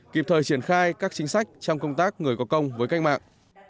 kịp thời triển khai các chính sách trong công tác người có công với cách mạng